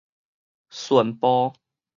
順步